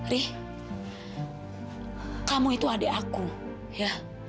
rih kamu itu adik aku ya